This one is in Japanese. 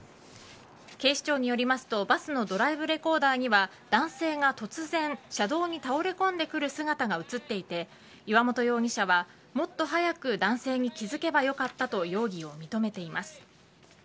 警視庁によりますとバスのドライブレコーダーには男性が突然車道に倒れ込んでくる姿が映っていて岩本容疑者はもっと早く男性に気付けばよかったと容疑を認めています。